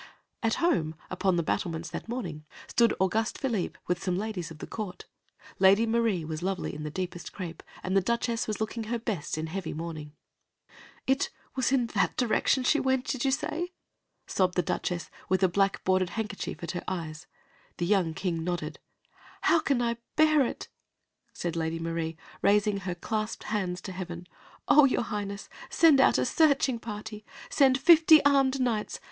At home, upon the battlements, that morning, stood Auguste Philippe with some ladies of the court. (Lady Marie was lovely in deepest crêpe, and the Duchess was looking her best in heavy mourning.) "It was in that direction that she went, did you say?" sobbed the Duchess, with a black bordered handkerchief at her eyes. The young king nodded. "How can I bear it?" asked Lady Marie, raising her clasped hands to heaven. "Oh, your Highness, send out a searching party! Send fifty armed knights!